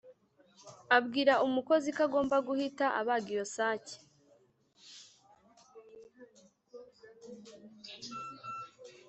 abwira umukozi ko agomba guhita abaga iyo sake.